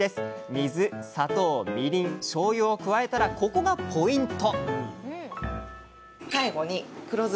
水砂糖みりんしょうゆを加えたらここがポイント！